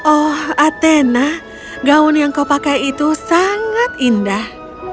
oh atena gaun yang kau pakai itu sangat indah